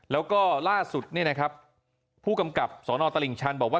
แล้วก็ล่าสุดเนี่ยนะครับผู้กำกับสนตลิ่งชันบอกว่า